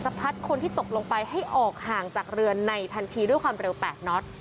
พัดคนที่ตกลงไปให้ออกห่างจากเรือนในทันทีด้วยความเร็ว๘น็อต